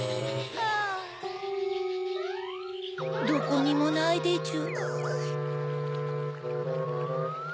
どこにもないでちゅ。